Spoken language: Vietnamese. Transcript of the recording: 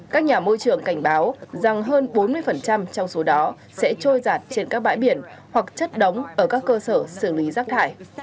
các nhà môi trường cảnh báo rằng hơn bốn mươi trong số đó sẽ trôi giặt trên các bãi biển hoặc chất đóng ở các cơ sở xử lý rác thải